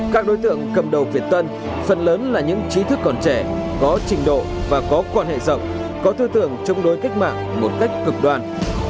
các đối tượng cầm đầu việt tân phần lớn là những trí thức còn trẻ có trình độ và có quan hệ rộng có tư tưởng chống đối cách mạng một cách cực đoan